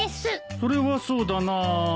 それはそうだなあ。